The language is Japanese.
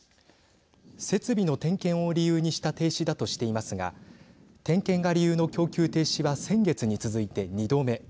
設備の点検を理由にした停止だとしていますが点検が理由の供給停止は先月に続いて２度目。